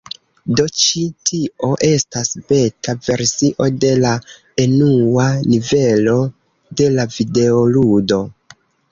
Do ĉi tio estas beta versio de la enua nivelo de la videoludo.